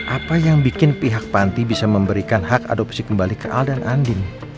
apa yang bikin pihak panti bisa memberikan hak adopsi kembali ke al dan andin